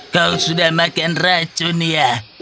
kau sudah makan racun ya